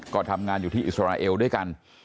ก็ทำงานอยู่ที่อิสราเอลด้วยกัน